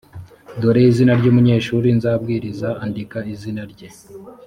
dore izina ry umunyeshuri nzabwiriza andika izina rye